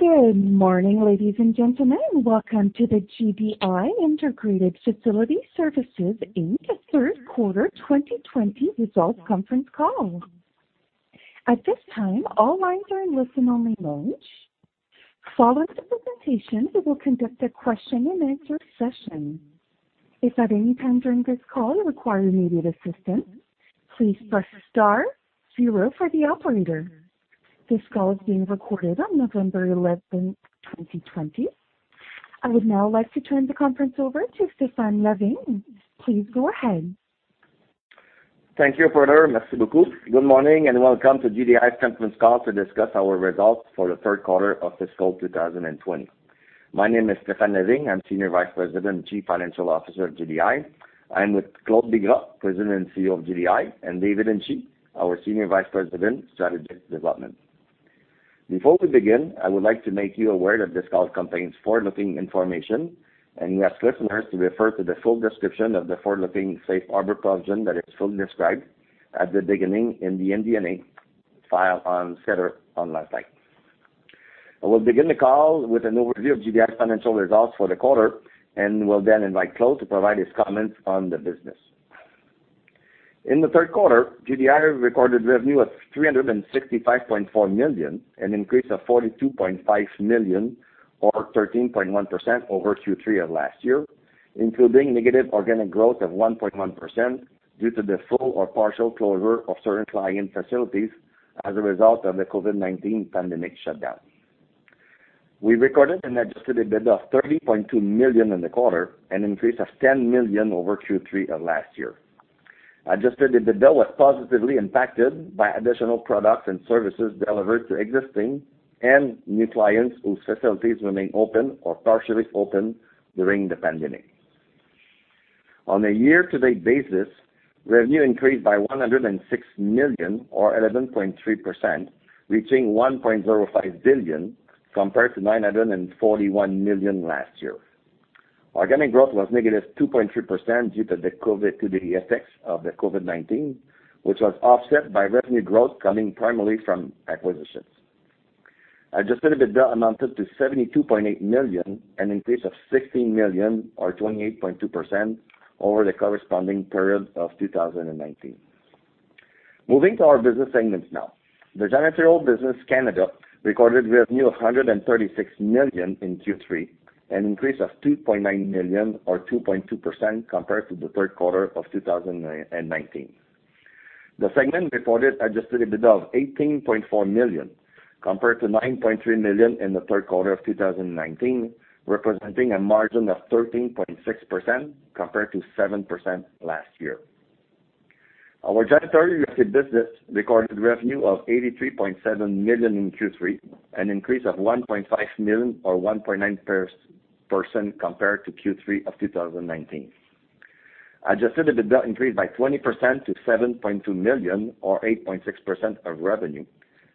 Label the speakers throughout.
Speaker 1: Good morning, ladies and gentlemen. Welcome to the GDI Integrated Facility Services, Inc. Third Quarter 2020 Results Conference call. At this time, all lines are in listen-only mode. Following the presentation, we will conduct a question-and-answer session. If at any time during this call you require immediate assistance, please press star zero for the operator. This call is being recorded on November 11th, 2020. I would now like to turn the conference over to Stéphane Lavigne. Please go ahead.
Speaker 2: Thank you, brother. Merci beaucoup. Good morning and welcome to GDI's conference call to discuss our results for the third quarter of fiscal 2020. My name is Stéphane Lavigne. I'm Senior Vice President and Chief Financial Officer of GDI. I'm with Claude Bigras, President and CEO of GDI, and David Hinchey, our Senior Vice President, Strategic Development. Before we begin, I would like to make you aware that this call contains forward-looking information, and we ask listeners to refer to the full description of the forward-looking Safe Harbor Provision that is fully described at the beginning in the MD&A file on SEDAR last night. I will begin the call with an overview of GDI's financial results for the quarter, and we'll then invite Claude to provide his comments on the business. In the third quarter, GDI recorded revenue of 365.4 million, an increase of 42.5 million or 13.1% over Q3 of last year, including negative organic growth of 1.1% due to the full or partial closure of certain client facilities as a result of the COVID-19 pandemic shutdown. We recorded an Adjusted EBITDA of 30.2 million in the quarter, an increase of 10 million over Q3 of last year. Adjusted EBITDA was positively impacted by additional products and services delivered to existing and new clients whose facilities remain open or partially open during the pandemic. On a year-to-date basis, revenue increased by 106 million or 11.3%, reaching 1.05 billion compared to 941 million last year. Organic growth was negative 2.3% due to the COVID-19 effects of the COVID-19, which was offset by revenue growth coming primarily from acquisitions. Adjusted EBITDA amounted to 72.8 million, an increase of 16 million or 28.2% over the corresponding period of 2019. Moving to our business segments now. The janitorial business, Canada, recorded revenue of 136 million in Q3, an increase of 2.9 million or 2.2% compared to the third quarter of 2019. The segment reported adjusted EBITDA of 18.4 million compared to 9.3 million in the third quarter of 2019, representing a margin of 13.6% compared to 7% last year. Our janitorial-related business recorded revenue of 83.7 million in Q3, an increase of 1.5 million or 1.9% compared to Q3 of 2019. Adjusted EBITDA increased by 20% to 7.2 million or 8.6% of revenue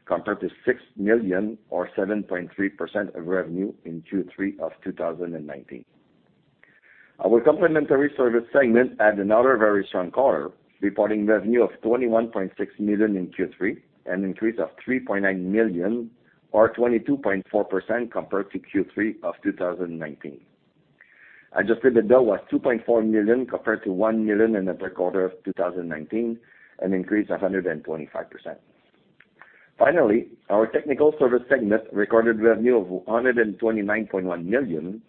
Speaker 2: compared to 6 million or 7.3% of revenue in Q3 of 2019. Our complementary service segment had another very strong quarter, reporting revenue of 21.6 million in Q3, an increase of 3.9 million or 22.4% compared to Q3 of 2019. Adjusted EBITDA was 2.4 million compared to 1 million in the third quarter of 2019, an increase of 125%. Finally, our technical service segment recorded revenue of 129.1 million,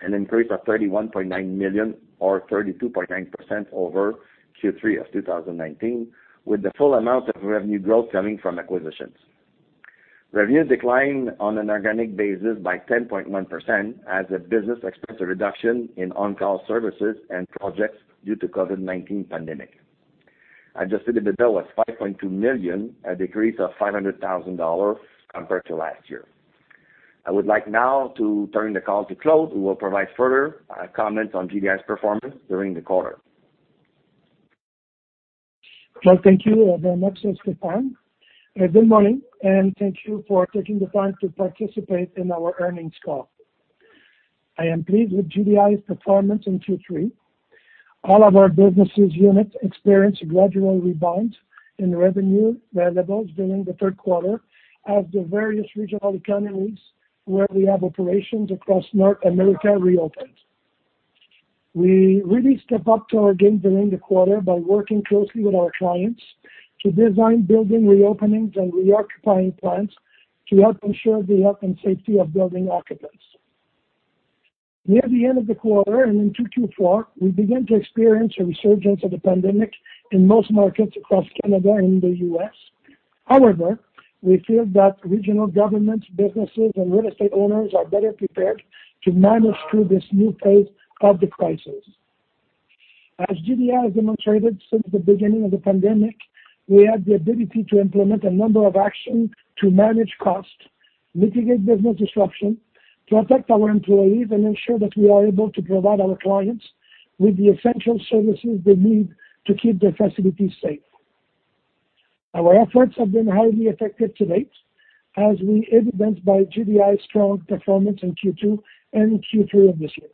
Speaker 2: an increase of 31.9 million or 32.9% over Q3 of 2019, with the full amount of revenue growth coming from acquisitions. Revenue declined on an organic basis by 10.1% as the business experienced a reduction in on-call services and projects due to the COVID-19 pandemic. Adjusted EBITDA was 5.2 million, a decrease of 500,000 dollars compared to last year. I would like now to turn the call to Claude, who will provide further comments on GDI's performance during the quarter.
Speaker 3: Claude, thank you very much, Stéphane. Good morning, and thank you for taking the time to participate in our earnings call. I am pleased with GDI's performance in Q3. All of our businesses' units experienced a gradual rebound in revenue variables during the third quarter as the various regional economies where we have operations across North America reopened. We really stepped up to our game during the quarter by working closely with our clients to design building re-openings and reoccupying plans to help ensure the health and safety of building occupants. Near the end of the quarter and into Q4, we began to experience a resurgence of the pandemic in most markets across Canada and the U.S. However, we feel that regional governments, businesses, and real estate owners are better prepared to manage through this new phase of the crisis. As GDI has demonstrated since the beginning of the pandemic, we had the ability to implement a number of actions to manage costs, mitigate business disruption, protect our employees, and ensure that we are able to provide our clients with the essential services they need to keep their facilities safe. Our efforts have been highly effective to date, as evidenced by GDI's strong performance in Q2 and Q3 of this year.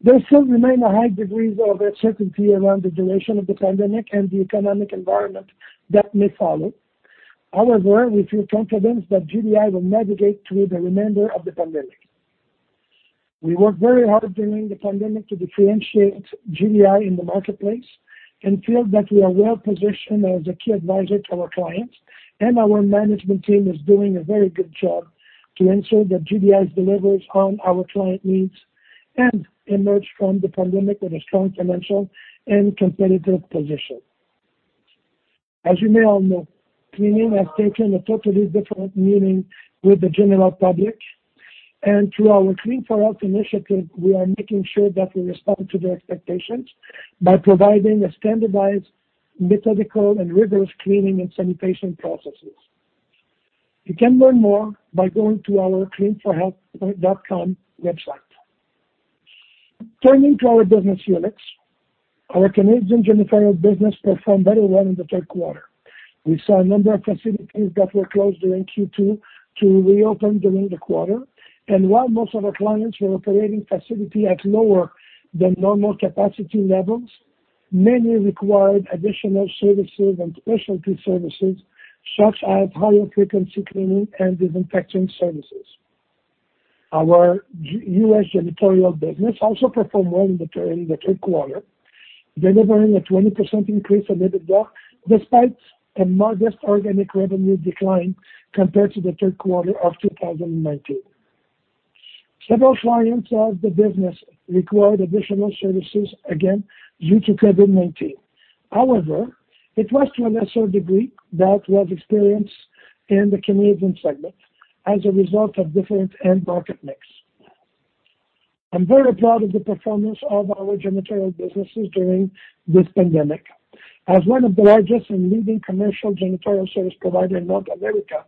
Speaker 3: There still remain high degrees of uncertainty around the duration of the pandemic and the economic environment that may follow. However, we feel confident that GDI will navigate through the remainder of the pandemic. We worked very hard during the pandemic to differentiate GDI in the marketplace and feel that we are well-positioned as a key advisor to our clients, and our management team is doing a very good job to ensure that GDI's deliveries on our client needs and emerge from the pandemic with a strong financial and competitive position. As you may all know, cleaning has taken a totally different meaning with the general public, and through our Clean for Health initiative, we are making sure that we respond to their expectations by providing a standardized methodical and rigorous cleaning and sanitation processes. You can learn more by going to our cleanforhealth.com website. Turning to our business units, our Canadian janitorial business performed very well in the third quarter. We saw a number of facilities that were closed during Q2 to reopen during the quarter, and while most of our clients were operating facilities at lower than normal capacity levels, many required additional services and specialty services such as higher frequency cleaning and disinfecting services. Our U.S. janitorial business also performed well in the third quarter, delivering a 20% increase in EBITDA despite a modest organic revenue decline compared to the third quarter of 2019. Several clients of the business required additional services again due to COVID-19. However, it was to a lesser degree that was experienced in the Canadian segment as a result of different end market mix. I'm very proud of the performance of our janitorial businesses during this pandemic. As one of the largest and leading commercial janitorial service providers in North America,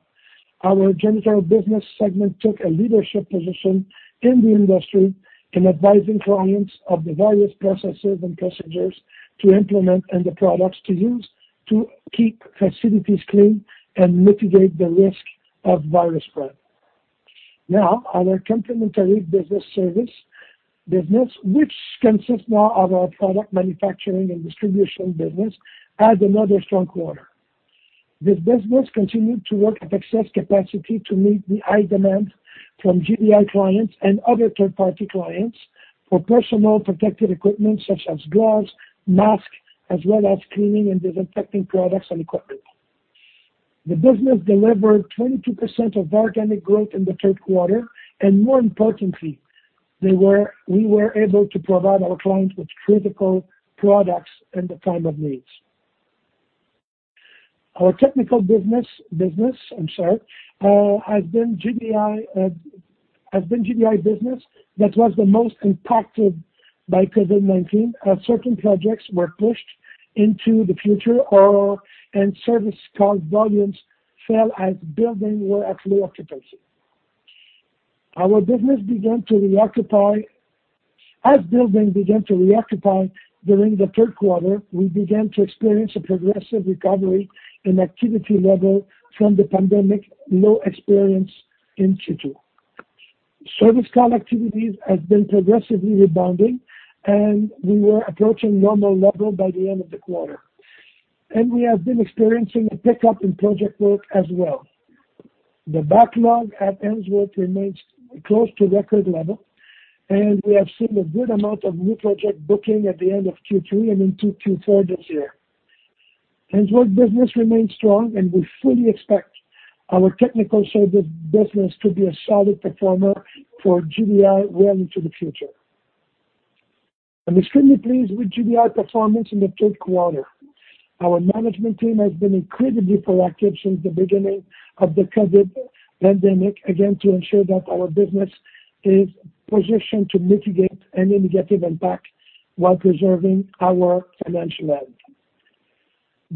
Speaker 3: our janitorial business segment took a leadership position in the industry in advising clients of the various processes and procedures to implement and the products to use to keep facilities clean and mitigate the risk of virus spread. Now, our complementary business, which consists now of our product manufacturing and distribution business, had another strong quarter. This business continued to work at excess capacity to meet the high demand from GDI clients and other third-party clients for personal protective equipment such as gloves, masks, as well as cleaning and disinfecting products and equipment. The business delivered 22% of organic growth in the third quarter, and more importantly, we were able to provide our clients with critical products in the time of needs. Our technical business, I'm sorry, has been GDI business that was the most impacted by COVID-19 as certain projects were pushed into the future and service call volumes fell as buildings were at low occupancy. Our business began to reoccupy as buildings began to reoccupy during the third quarter. We began to experience a progressive recovery in activity level from the pandemic low experience in Q2. Service call activities have been progressively rebounding, and we were approaching normal level by the end of the quarter, and we have been experiencing a pickup in project work as well. The backlog at Ainsworth remains close to record level, and we have seen a good amount of new project booking at the end of Q3 and into Q4 this year. Ainsworth business remains strong, and we fully expect our technical service business to be a solid performer for GDI well into the future. I'm extremely pleased with GDI performance in the third quarter. Our management team has been incredibly proactive since the beginning of the COVID pandemic, again to ensure that our business is positioned to mitigate any negative impact while preserving our financial health.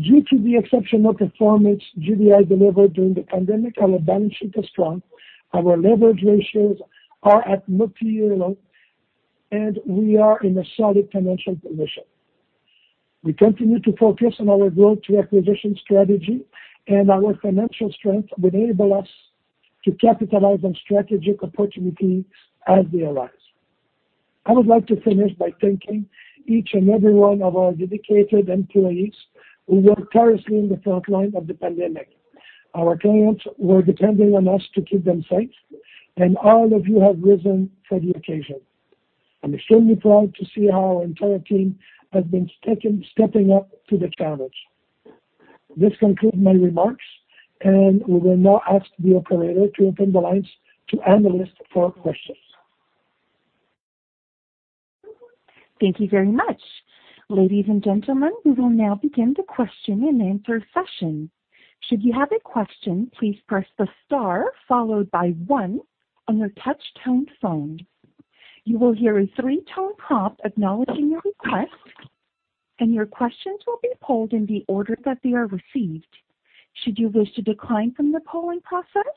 Speaker 3: Due to the exceptional performance GDI delivered during the pandemic, our balance sheet is strong, our leverage ratios are at multi-year lows, and we are in a solid financial position. We continue to focus on our growth-through-acquisition strategy, and our financial strength will enable us to capitalize on strategic opportunities as they arise. I would like to finish by thanking each and every one of our dedicated employees who worked tirelessly in the front lines of the pandemic. Our clients were depending on us to keep them safe, and all of you have risen to the occasion. I'm extremely proud to see how our entire team has been stepping up to the challenge. This concludes my remarks, and we will now ask the operator to open the lines to analysts for questions.
Speaker 1: Thank you very much. Ladies and gentlemen, we will now begin the question and answer session. Should you have a question, please press the star followed by one on your touch-tone phone. You will hear a three-tone prompt acknowledging your request, and your questions will be polled in the order that they are received. Should you wish to decline from the polling process,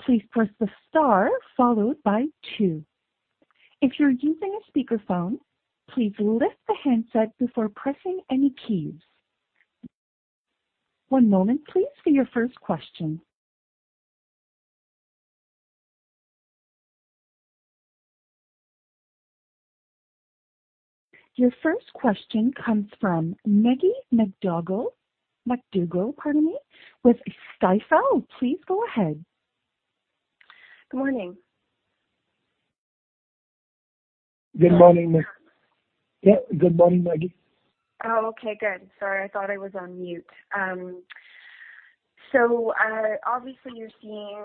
Speaker 1: please press the star followed by two. If you're using a speakerphone, please lift the handset before pressing any keys. One moment, please, for your first question. Your first question comes from Maggie MacDougall with Stifel. Please go ahead.
Speaker 4: Good morning.
Speaker 3: Good morning, Maggie. Yeah, good morning, Maggie.
Speaker 4: Oh, okay, good. Sorry, I thought I was on mute. So obviously, you're seeing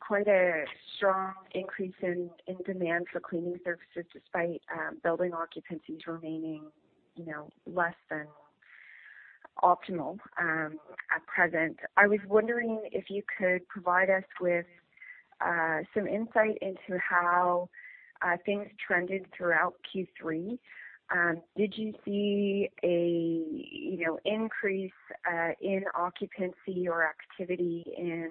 Speaker 4: quite a strong increase in demand for cleaning services despite building occupancies remaining less than optimal at present. I was wondering if you could provide us with some insight into how things trended throughout Q3. Did you see an increase in occupancy or activity in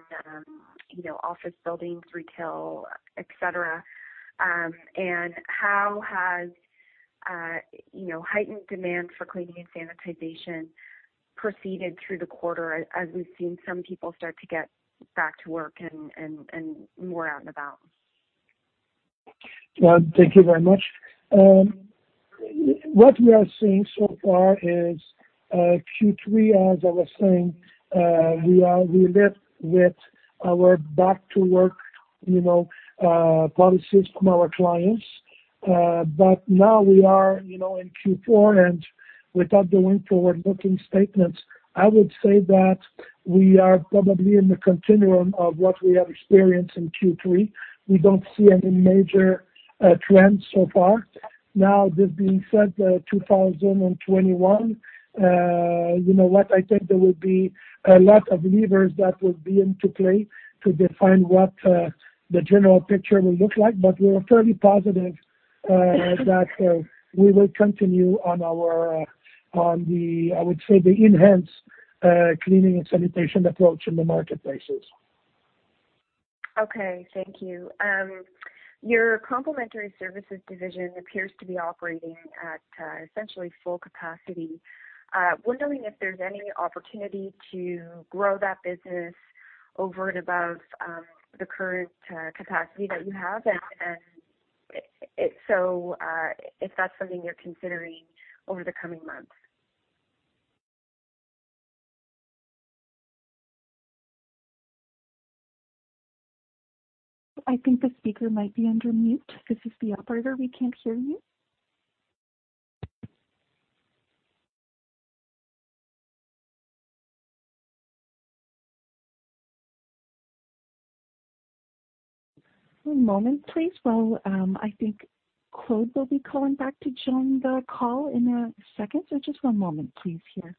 Speaker 4: office buildings, retail, etc., and how has heightened demand for cleaning and sanitization proceeded through the quarter as we've seen some people start to get back to work and more out and about?
Speaker 3: Yeah, thank you very much. What we are seeing so far is Q3, as I was saying, we lived with our back-to-work policies from our clients, but now we are in Q4, and without going forward-looking statements, I would say that we are probably in the continuum of what we have experienced in Q3. We don't see any major trends so far. Now, this being said, 2021, you know what, I think there will be a lot of levers that will be into play to define what the general picture will look like, but we're fairly positive that we will continue on our, I would say, the enhanced cleaning and sanitation approach in the marketplaces.
Speaker 4: Okay, thank you. Your complementary services division appears to be operating at essentially full capacity. Wondering if there's any opportunity to grow that business over and above the current capacity that you have, and if so, if that's something you're considering over the coming months?
Speaker 1: I think the speaker might be on mute. This is the operator. We can't hear you. One moment, please. Well, I think Claude will be calling back to join the call in a second, so just one moment, please, here.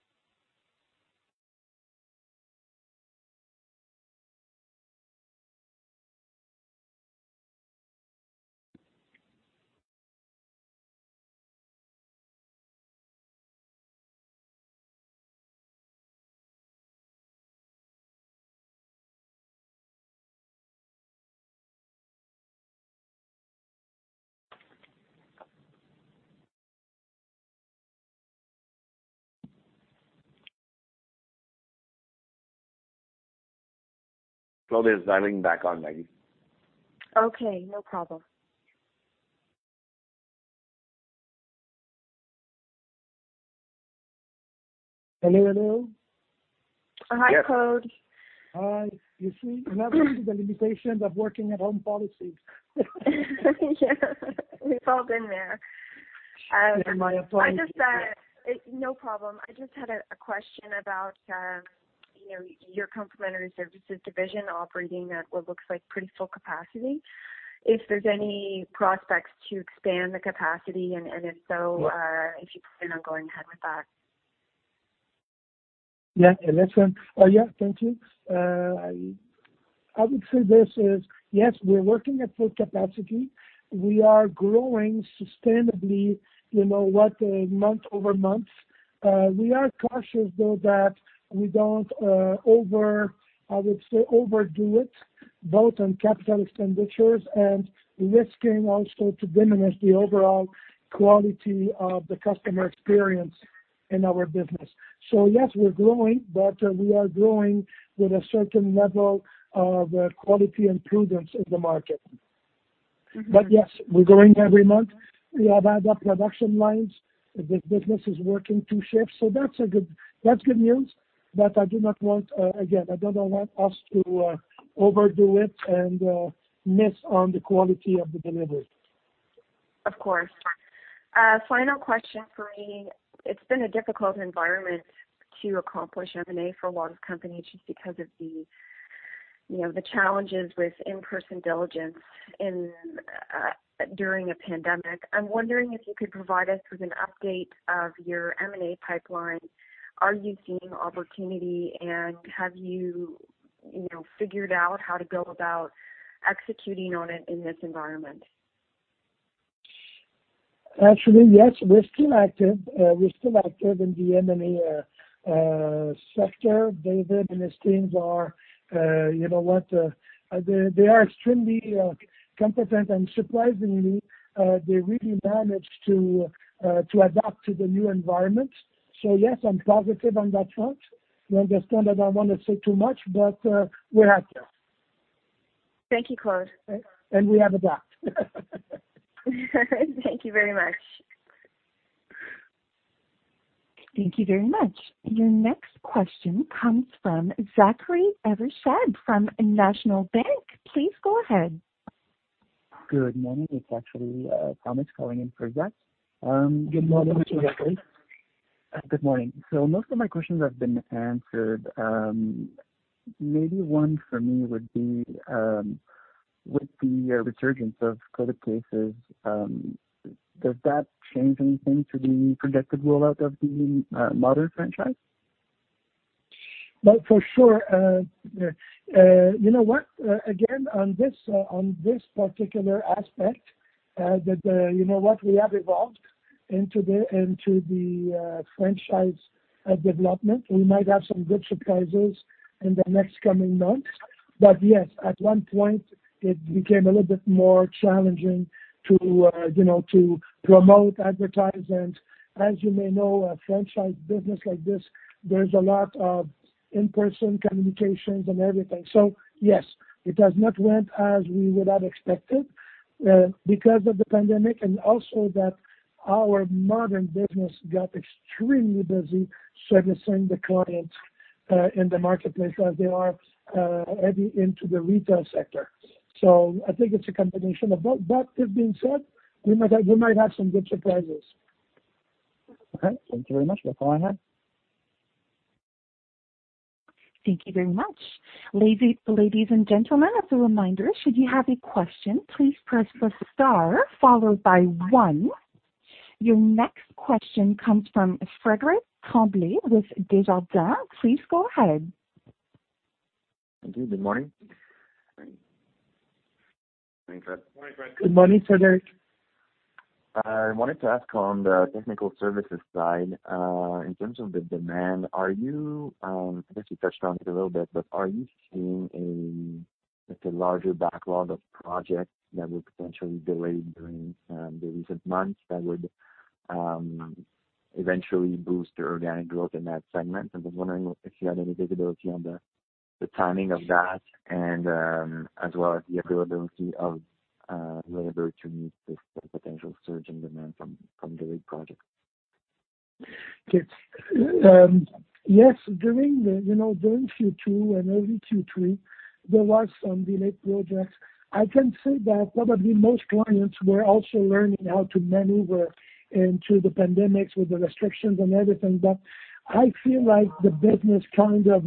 Speaker 2: Claude is dialing back on, Maggie.
Speaker 4: Okay, no problem.
Speaker 3: Hello, hello.
Speaker 4: Hi, Claude.
Speaker 3: Hi. You see, and I've been to the limitations of working at home policies.
Speaker 4: Yeah, we've all been there.
Speaker 3: In my appointment.
Speaker 4: No problem. I just had a question about your complementary services division operating at what looks like pretty full capacity, if there's any prospects to expand the capacity, and if so, if you plan on going ahead with that.
Speaker 3: Yeah, listen. Oh, yeah, thank you. I would say this is, yes, we're working at full capacity. We are growing sustainably month over month. We are cautious, though, that we don't, I would say, overdo it both on capital expenditures and risking also to diminish the overall quality of the customer experience in our business. So yes, we're growing, but we are growing with a certain level of quality and prudence in the market. But yes, we're growing every month. We have added production lines. This business is working two shifts, so that's good news, but I do not want, again, I don't want us to overdo it and miss on the quality of the delivery.
Speaker 4: Of course. Final question for me. It's been a difficult environment to accomplish M&A for a lot of companies just because of the challenges with in-person diligence during a pandemic. I'm wondering if you could provide us with an update of your M&A pipeline. Are you seeing opportunity, and have you figured out how to go about executing on it in this environment?
Speaker 3: Actually, yes, we're still active. We're still active in the M&A sector. David and his teams are, you know what, they are extremely competent, and surprisingly, they really managed to adapt to the new environment. So yes, I'm positive on that front. You understand that I don't want to say too much, but we're active.
Speaker 4: Thank you, Claude.
Speaker 3: We have adapted.
Speaker 4: Thank you very much.
Speaker 1: Thank you very much. Your next question comes from Zachary Evershed from National Bank. Please go ahead.
Speaker 5: Good morning. It's actually Thomas calling in for Zach.
Speaker 3: Good morning, Mr. Zachary.
Speaker 5: Good morning. So most of my questions have been answered. Maybe one for me would be with the resurgence of COVID cases, does that change anything to the projected rollout of the Modern franchise?
Speaker 3: For sure. You know what, again, on this particular aspect, you know what, we have evolved into the franchise development. We might have some good surprises in the next coming months, but yes, at one point, it became a little bit more challenging to promote, advertise, and as you may know, a franchise business like this, there's a lot of in-person communications and everything. So yes, it has not went as we would have expected because of the pandemic and also that our Modern business got extremely busy servicing the clients in the marketplace as they are heading into the retail sector. So I think it's a combination of both, but this being said, we might have some good surprises.
Speaker 5: Okay, thank you very much. That's all I have.
Speaker 1: Thank you very much. Ladies and gentlemen, as a reminder, should you have a question, please press the star followed by one. Your next question comes from Frédérick Tremblay with Desjardins. Please go ahead.
Speaker 6: Thank you. Good morning.
Speaker 3: Good morning, Frédéric.
Speaker 6: I wanted to ask on the technical services side, in terms of the demand, are you, I guess you touched on it a little bit, but are you seeing a larger backlog of projects that would potentially delay during the recent months that would eventually boost the organic growth in that segment? I was wondering if you had any visibility on the timing of that and as well as the availability of labor to meet this potential surge in demand from delayed projects.
Speaker 3: Yes, during Q2 and early Q3, there were some delayed projects. I can say that probably most clients were also learning how to maneuver into the pandemic with the restrictions and everything, but I feel like the business kind of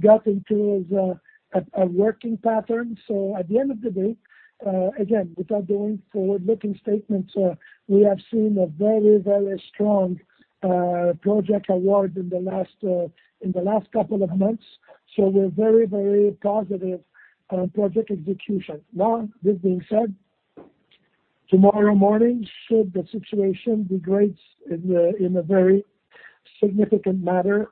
Speaker 3: got into a working pattern. So at the end of the day, again, without going forward-looking statements, we have seen a very, very strong project award in the last couple of months, so we're very, very positive on project execution. Now, this being said, tomorrow morning, should the situation degrade in a very significant manner,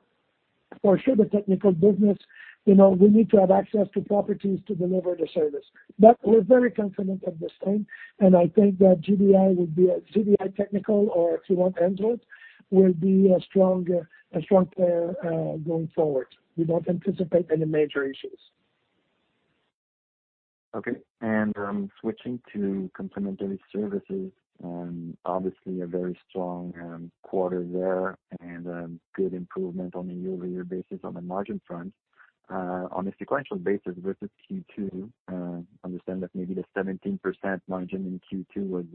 Speaker 3: for sure the technical business, we need to have access to properties to deliver the service. But we're very confident of this thing, and I think that GDI would be a GDI Technical, or if you want to Ainsworth, will be a strong player going forward. We don't anticipate any major issues.
Speaker 6: Okay, and switching to complementary services, obviously a very strong quarter there and good improvement on a yearly basis on the margin front. On a sequential basis versus Q2, I understand that maybe the 17% margin in Q2 was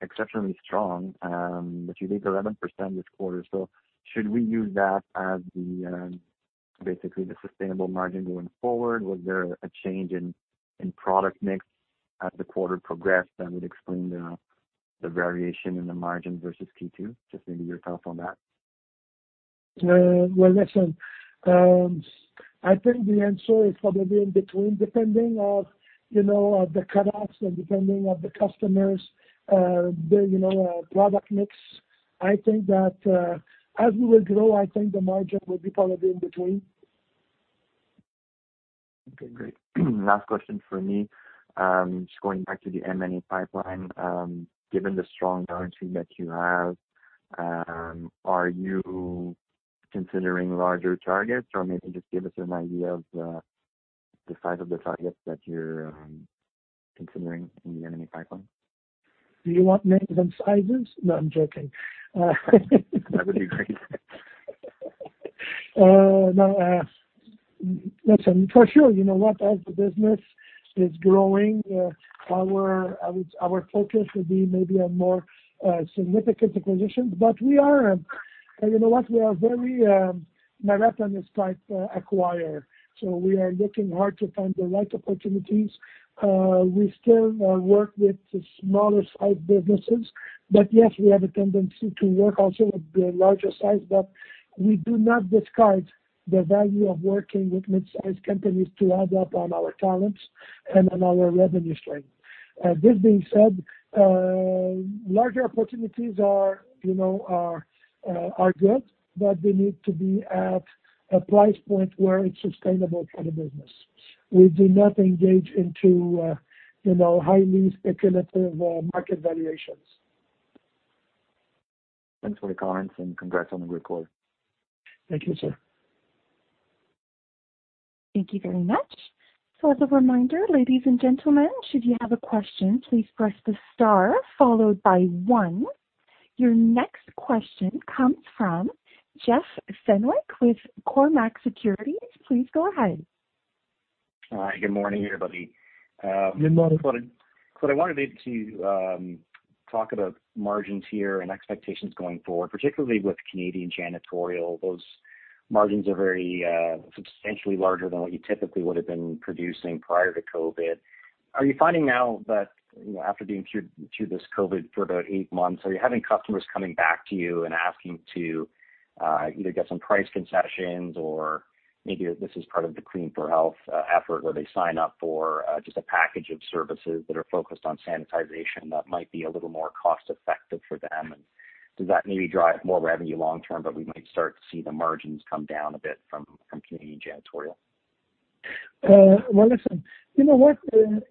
Speaker 6: exceptionally strong, but you did 11% this quarter. So should we use that as basically the sustainable margin going forward? Was there a change in product mix as the quarter progressed that would explain the variation in the margin versus Q2? Just maybe your thoughts on that?
Speaker 3: Listen, I think the answer is probably in between depending on the cutoffs and depending on the customers' product mix. I think that as we will grow, I think the margin will be probably in between.
Speaker 6: Okay, great. Last question for me. Just going back to the M&A pipeline, given the strong granularity that you have, are you considering larger targets or maybe just give us an idea of the size of the targets that you're considering in the M&A pipeline?
Speaker 3: Do you want names and sizes? No, I'm joking.
Speaker 6: That would be great.
Speaker 3: No, listen, for sure, you know what, as the business is growing, our focus will be maybe on more significant acquisitions, but we are, you know what, we are very marathonist-type acquirer, so we are looking hard to find the right opportunities. We still work with smaller-sized businesses, but yes, we have a tendency to work also with the larger size, but we do not discard the value of working with mid-sized companies to add up on our talents and on our revenue stream. This being said, larger opportunities are good, but they need to be at a price point where it's sustainable for the business. We do not engage into highly speculative market valuations.
Speaker 6: Thanks for your comments, and congrats on a good quarter.
Speaker 3: Thank you, sir.
Speaker 1: Thank you very much. So as a reminder, ladies and gentlemen, should you have a question, please press the star followed by one. Your next question comes from Jeff Fenwick with Cormark Securities. Please go ahead.
Speaker 7: Hi, good morning, everybody.
Speaker 3: Good morning.
Speaker 7: Claude, I wanted to talk about margins here and expectations going forward, particularly with Canadian janitorial. Those margins are very substantially larger than what you typically would have been producing prior to COVID. Are you finding now that after being through this COVID for about eight months, are you having customers coming back to you and asking to either get some price concessions or maybe this is part of the Clean for Health effort where they sign up for just a package of services that are focused on sanitization that might be a little more cost-effective for them? And does that maybe drive more revenue long-term, but we might start to see the margins come down a bit from Canadian janitorial?
Speaker 3: Listen, you know what,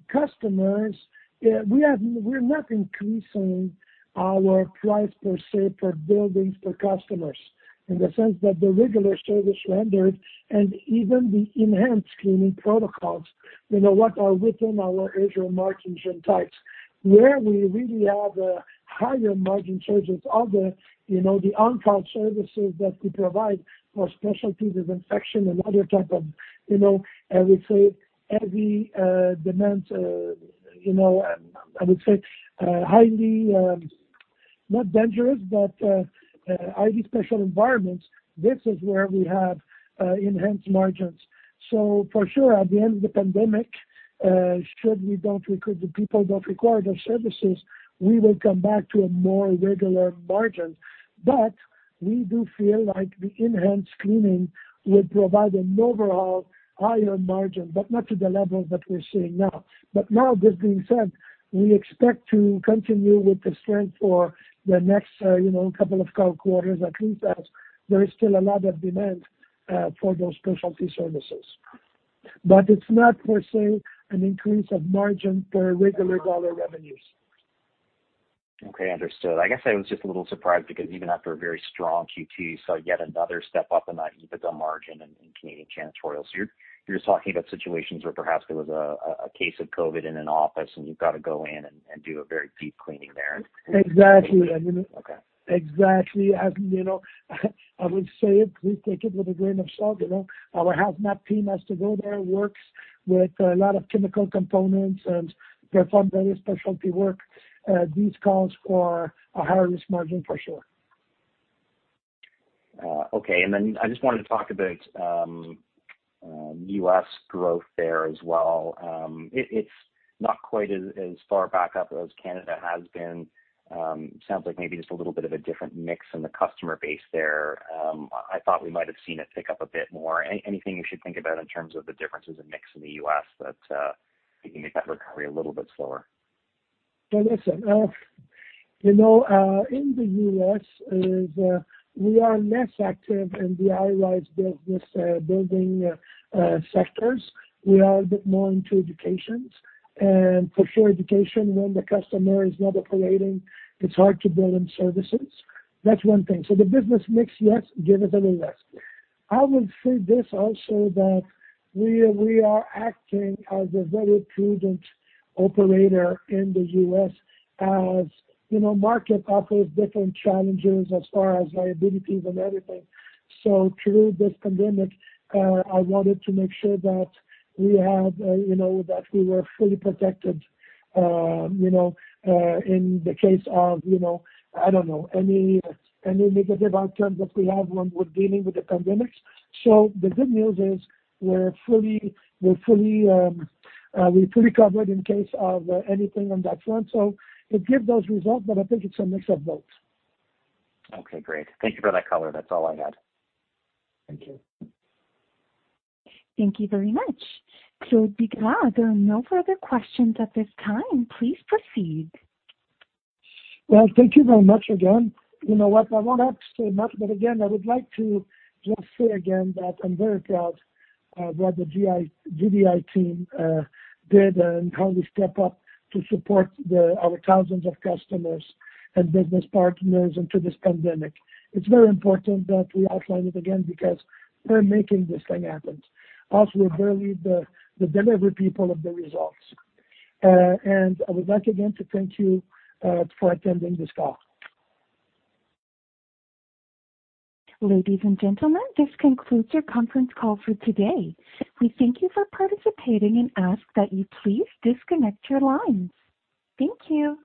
Speaker 3: customers, we're not increasing our price per se per buildings per customers in the sense that the regular service rendered and even the enhanced cleaning protocols, you know what, are within our usual margins and types. Where we really have a higher margin surge is all the on-call services that we provide for specialties as infection and other type of, I would say, heavy demands, I would say, highly not dangerous, but highly special environments, this is where we have enhanced margins. So for sure, at the end of the pandemic, should we don't recruit the people, don't require those services, we will come back to a more regular margin. But we do feel like the enhanced cleaning would provide an overall higher margin, but not to the level that we're seeing now. But now, this being said, we expect to continue with the strength for the next couple of quarters, at least as there is still a lot of demand for those specialty services. But it's not per se an increase of margin per regular dollar revenues.
Speaker 7: Okay, understood. I guess I was just a little surprised because even after a very strong Q2, you saw yet another step up in that EBITDA margin in Canadian janitorial. So you're just talking about situations where perhaps there was a case of COVID in an office and you've got to go in and do a very deep cleaning there.
Speaker 3: Exactly. Exactly. I would say it, please take it with a grain of salt. Our HAZMAT team has to go there. It works with a lot of chemical components and perform very specialty work. These calls for a higher risk margin for sure.
Speaker 7: Okay, and then I just wanted to talk about U.S. growth there as well. It's not quite as far back up as Canada has been. Sounds like maybe just a little bit of a different mix in the customer base there. I thought we might have seen it pick up a bit more. Anything you should think about in terms of the differences in mix in the U.S. that could make that recovery a little bit slower?
Speaker 3: Listen, in the U.S., we are less active in the high-rise business, building sectors. We are a bit more into education. For sure, education, when the customer is not operating, it's hard to bill them services. That's one thing. So the business mix, yes, gives us a little less. I would say this also that we are acting as a very prudent operator in the U.S. as the market offers different challenges as far as liabilities and everything. So through this pandemic, I wanted to make sure that we had that we were fully protected in the case of, I don't know, any negative outcomes that we have when we're dealing with the pandemic. So the good news is we're fully covered in case of anything on that front. So it gives those results, but I think it's a mix of both.
Speaker 7: Okay, great. Thank you for that color. That's all I had.
Speaker 3: Thank you.
Speaker 1: Thank you very much. Claude Bigras, there are no further questions at this time. Please proceed.
Speaker 3: Well, thank you very much again. You know what, I won't ask too much, but again, I would like to just say again that I'm very proud of what the GDI team did and how we step up to support our thousands of customers and business partners into this pandemic. It's very important that we outline it again because we're making this thing happen. Us were barely the delivery people of the results. And I would like again to thank you for attending this call.
Speaker 1: Ladies and gentlemen, this concludes your conference call for today. We thank you for participating and ask that you please disconnect your lines. Thank you.